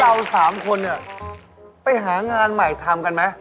นึกว่าเรา๓คนไปหางานใหม่ทำกันไหม